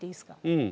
うん。